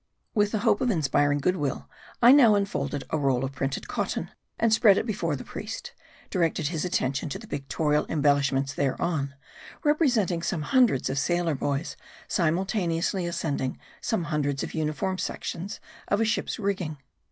With the hope of inspiring good will, I now unfolded a roll of printed cotton, and spreading it before the priest, directed his attention to the pictorial embellishments thereon, representing some hundreds of sailor boys simultaneously ascending some hundreds of uniform sections of a ship's rig ging.